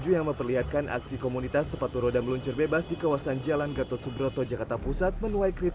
yang memanggil komunitas sepatu roda yang meluncur di jalan gatot subroto tersebut